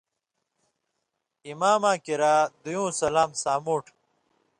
اِماماں کِریا دُویُوں سلام سامُوٹھ